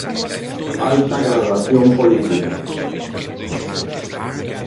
Alta gradación política.